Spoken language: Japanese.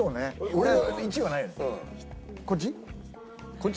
こっち？